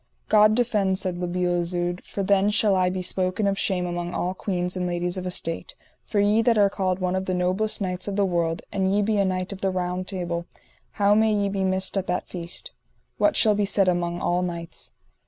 God defend, said La Beale Isoud, for then shall I be spoken of shame among all queens and ladies of estate; for ye that are called one of the noblest knights of the world, and ye a knight of the Round Table, how may ye be missed at that feast? What shall be said among all knights?